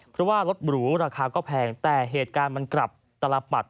เพราะว่ารถหรูราคาก็แพงแต่เหตุการณ์มันกลับตลปัด